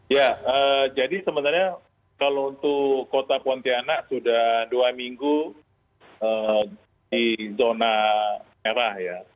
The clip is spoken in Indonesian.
ya jadi sebenarnya kalau untuk kota pontianak sudah dua minggu di zona merah ya